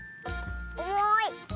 おもい！